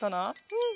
うん！